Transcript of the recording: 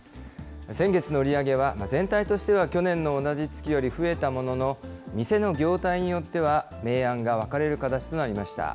先月の売り上げは、全体としては去年の同じ月より増えたものの、店の業態によっては、明暗が分かれる形となりました。